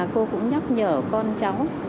cô cũng nhắc nhở con cháu